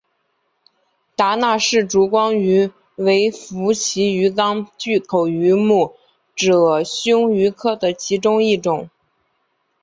达纳氏烛光鱼为辐鳍鱼纲巨口鱼目褶胸鱼科的其中一种。